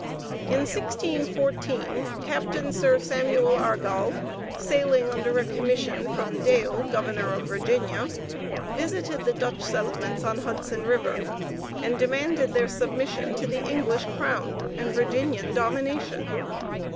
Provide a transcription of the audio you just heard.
In 1614, Captain Sir Samuel Argal, sailing under a commission from Dale, Governor of Virginia, visited the Dutch settlements on Hudson River, and demanded their submission to the English crown and Virginian dominion.